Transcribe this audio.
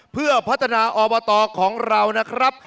เพื่อพัฒนาอบตของเรานะครับ